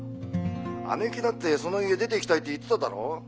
姉貴だってその家出ていきたいって言ってただろ？